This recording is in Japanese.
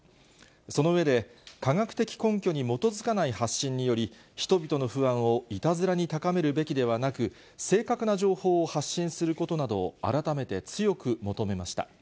その上で、科学的根拠に基づかない発信により、人々の不安をいたずらに高めるべきではなく、正確な情報などを発信することなどを改めて強く求めました。